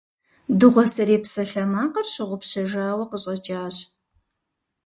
Дыгъуасэрей псалъэмакъыр щыгъупщэжауэ къыщӏэкӏащ.